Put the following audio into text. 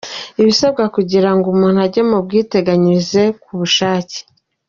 Ibisabwa kugira ngo umuntu ajye mu bwiteganyirize ku bushake .